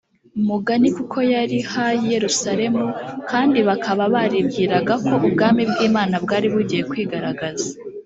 mugani kuko yari ha y i yerusalemu kandi bakaba baribwiraga ko ubwami bw imana bwari bugiye kwigaragaza